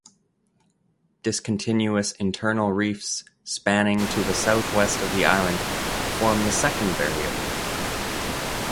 Discontinuous internal reefs spanning to the southwest of the island form the second barrier.